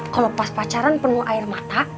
kalau pas pacaran penuh air mata